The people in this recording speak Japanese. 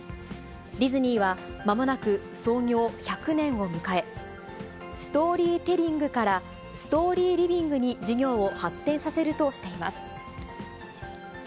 ディズニーは、まもなく創業１００年を迎え、ストーリーテリングから、ストーリーリビングに事業を発展させるとしています。